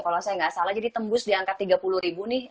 kalau saya nggak salah jadi tembus di angka tiga puluh ribu nih